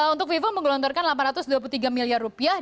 untuk viva menggelontorkan delapan ratus dua puluh tiga miliar rupiah